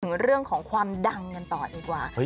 เรื่องของความดังกันต่อดีกว่า